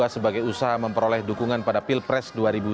sebagai usaha memperoleh dukungan pada pilpres dua ribu sembilan belas